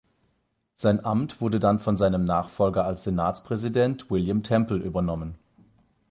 Sein Amt wurde dann von seinem Nachfolger als Senatspräsident, William Temple, übernommen.